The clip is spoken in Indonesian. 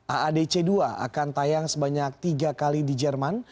aadc dua akan tayang sebanyak tiga kali di jerman